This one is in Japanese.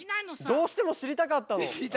どうしてもしりたかったの。